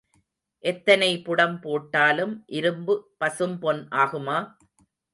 எத்தனை புடம் போட்டாலும் இரும்பு பசும்பொன் ஆகுமா?